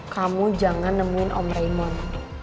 kamu jangan nemuin om raymond